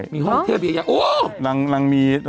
มีห้อเทียบโอ๊ย